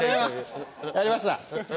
やりました！